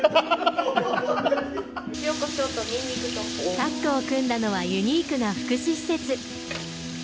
タッグを組んだのはユニークな福祉施設。